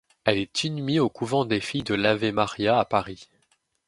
Elle est inhumée au couvent des filles de l'Ave Maria à Paris.